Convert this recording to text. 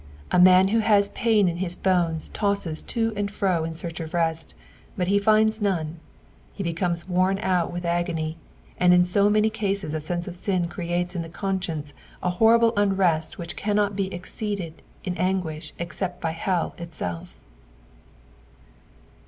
A man who has pain in his bones tosses to and fro in search of rest, but he finds none ; ha beeumes worn out with aguny, and ao in many cases ft sense ot sin creates in the conscience a horrible unrest which cannot be ex ceeded in anguish except by hell itself.